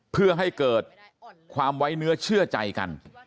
เพื่อให้เกิดความไว้เนื้อเชื่อใจกัน